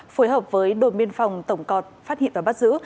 phối hợp với đồn biên phòng tổng cọt phát hiện và bắt giữ